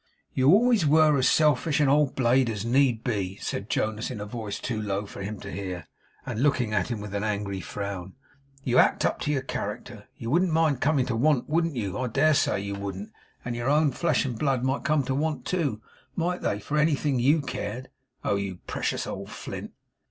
'You always were as selfish an old blade as need be,' said Jonas in a voice too low for him to hear, and looking at him with an angry frown. 'You act up to your character. You wouldn't mind coming to want, wouldn't you! I dare say you wouldn't. And your own flesh and blood might come to want too, might they, for anything you cared? Oh you precious old flint!